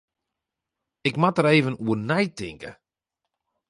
Ik moat der even oer neitinke.